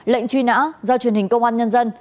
lệnh truy nã do truyền hình công an nhân dân